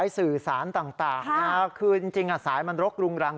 สื่อสารต่างคือจริงสายมันรกรุงรัง